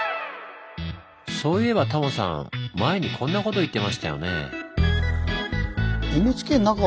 そういえばタモさん前にこんなこと言ってましたよね。